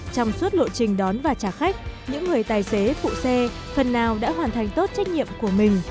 trong suốt lộ trình đón và trả khách những người tài xế phụ xe phần nào đã hoàn thành tốt trách nhiệm của mình